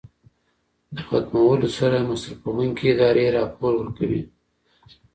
د ختمولو سره مصرفوونکې ادارې راپور ورکوي.